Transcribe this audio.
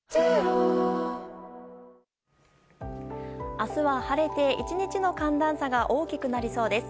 明日は晴れて、１日の寒暖差が大きくなりそうです。